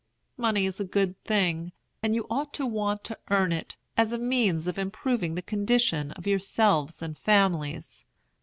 Money is a good thing, and you ought to want to earn it, as a means of improving the condition of yourselves and families.